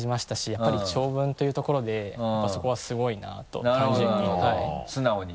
やっぱり長文というところでやっぱそこはすごいなと単純になるほど素直にね？